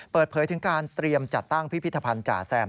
เปิดเผยถึงการเตรียมจัดตั้งพิพิธภัณฑ์จ่าแซม